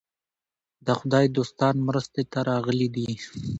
د خدای دوستان مرستې ته راغلي دي.